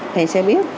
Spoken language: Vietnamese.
không thì sẽ biết